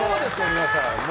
皆さん。